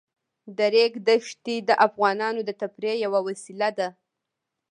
د ریګ دښتې د افغانانو د تفریح یوه وسیله ده.